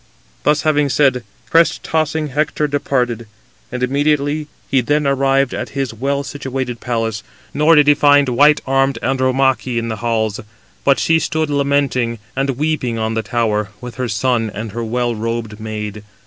Thus having said, crest tossing Hector departed; and immediately he then arrived at his well situated palace, nor did he find white armed Andromache in the halls; but she stood lamenting and weeping on the tower, with her son and her well robed maid.